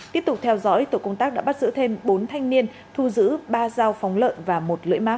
tiếp tục theo dõi tổ công tác đã bắt giữ thêm bốn thanh niên thu giữ ba dao phóng lợn và một lưỡi ma